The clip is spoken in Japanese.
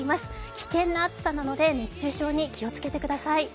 危険な暑さなので熱中症に気をつけてください。